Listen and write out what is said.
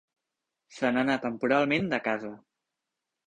Se n'anà temporalment de casa.